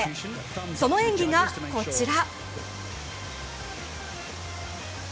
その演技が、こちら。